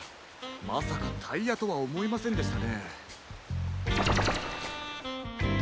まさかタイヤとはおもいませんでしたね。